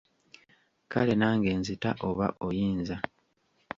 Kale nange nzita oba oyinza.